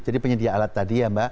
jadi penyedia alat tadi ya mbak